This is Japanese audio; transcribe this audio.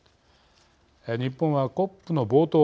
日本はＣＯＰの冒頭